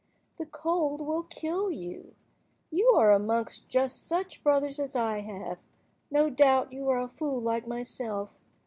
The cold will kill you. You are amongst just such brothers as I have. No doubt you are a fool like myself.